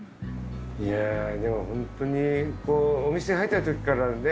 いやでもホントにお店入ったときからね